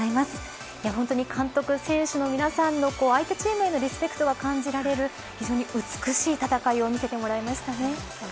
本当に監督、選手の皆さんの相手チームへのリスペクトが感じられる非常に美しい戦いを見せてもらいましたね。